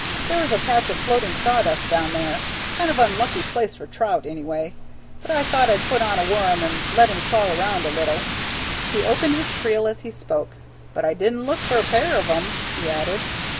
There was a patch of floating sawdust there, kind of unlikely place for trout, anyway, but I thought I'd put on a worm and let him crawl around a little." He opened his creel as he spoke. "But I did n't look for a pair of 'em," he added.